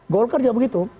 golkar juga begitu